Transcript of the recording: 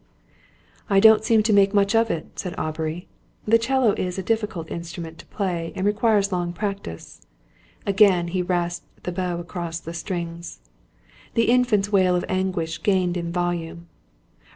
"I don't seem to make much of it," said Aubrey. "The 'cello is a difficult instrument to play, and requires long practice." And again he rasped the bow across the strings. The Infant's wail of anguish gained in volume.